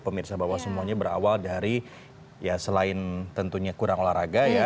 pemirsa bahwa semuanya berawal dari ya selain tentunya kurang olahraga ya